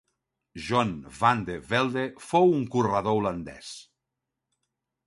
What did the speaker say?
John Vande Velde fou un corredor holandès.